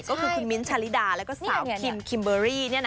ก็คือคุณมิ้นท์ชาลิดาแล้วก็สาวคิมคิมเบอรี่